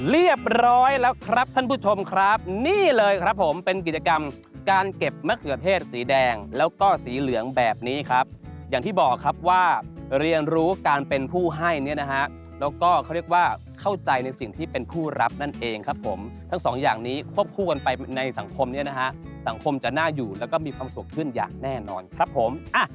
เรียบร้อยแล้วครับท่านผู้ชมครับนี่เลยครับผมเป็นกิจกรรมการเก็บมะเขือเทศสีแดงแล้วก็สีเหลืองแบบนี้ครับอย่างที่บอกครับว่าเรียนรู้การเป็นผู้ให้เนี่ยนะฮะแล้วก็เขาเรียกว่าเข้าใจในสิ่งที่เป็นผู้รับนั่นเองครับผมทั้งสองอย่างนี้ควบคู่กันไปในสังคมเนี่ยนะฮะสังคมจะน่าอยู่แล้วก็มีความสุขขึ้นอย่างแน่นอนครับผม